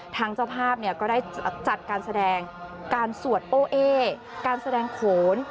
ทางเจ้าภาพเนี่ยก็ได้จัดการแสดงการสวดโอเอการแสดงโขน